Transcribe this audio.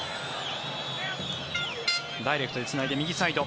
ダイレクトでつないで右サイド。